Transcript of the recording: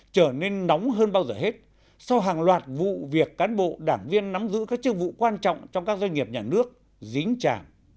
trở nên nóng hơn bao giờ hết sau hàng loạt vụ việc cán bộ đảng viên nắm giữ các chức vụ quan trọng trong các doanh nghiệp nhà nước dính trả